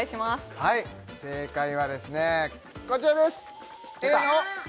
はい正解はですねこちらです